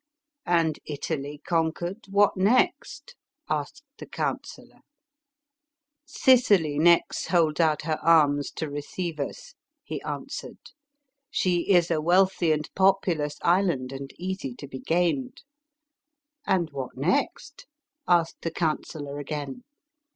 "And Italy conquered, what next?" asked the counsellor. " Sicily next holds out her arms to receive us/' he answered. " She is a wealthy and populous island and easy to be gained." " And what next ?" asked the counsellor again.